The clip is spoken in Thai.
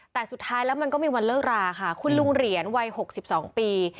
แต่สุดท้ายแล้วมันก็มีวันเลิกราค่ะคุณลุงเหรียญวัย๖๒ปี